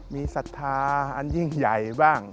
มีศรัทธาอันยิ่งใหญ่บ้าง